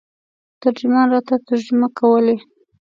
ترجمان راته ترجمه کولې.